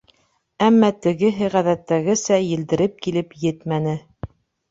Әммә тегеһе, ғәҙәттәгесә, елдереп килеп етмәне.